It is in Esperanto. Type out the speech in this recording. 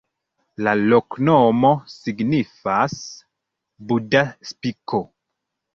La loknomo signifas: Buda-spiko.